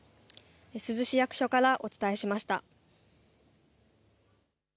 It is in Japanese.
珠洲市役所からお伝えしました。